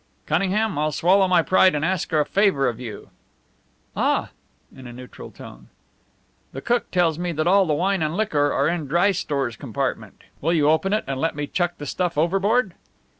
"Cunningham, I'll swallow my pride and ask a favour of you." "Ah!" in a neutral tone. "The cook tells me that all the wine and liquor are in the dry stores compartment. Will you open it and let me chuck the stuff overboard?"